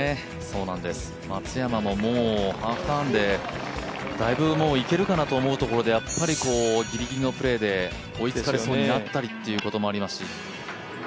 松山ももうハーフターンでだいぶいけるかなというところでやっぱりギリギリのプレーで追いつかれそうになったりということもありますし。